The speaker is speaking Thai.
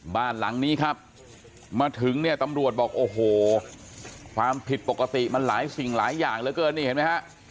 บ้านหลังนี้ครับมาถึงเนี่ยตำรวจบอกโอ้โหความผิดปกติมันหลายสิ่งหลายอย่างเหลือเกินนี่เห็นไหมฮะ